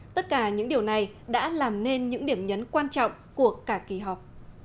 tất cả những điều này đã làm nên những điểm nhấn quan trọng của cả kỳ họp